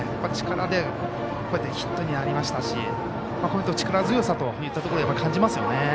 力でヒットになりましたし力強さといったところを感じますよね。